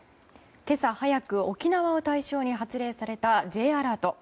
今朝早く沖縄を対象に発令されたＪアラート。